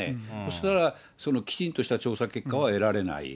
それはそのきちんとした調査結果は得られない。